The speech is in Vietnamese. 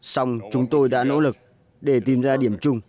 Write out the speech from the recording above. xong chúng tôi đã nỗ lực để tìm ra điểm chung